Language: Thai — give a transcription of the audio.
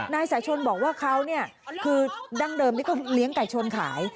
นายสายชนบอกว่าเขาเนี่ยคือดั้งเดิมนี่ก็เลี้ยงไก่ชนขาย